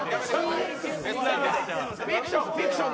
フィクション。